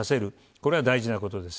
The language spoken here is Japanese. これは大事なことです。